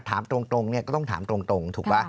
ถามตรงเนี่ยก็ต้องถามตรงถูกป่ะ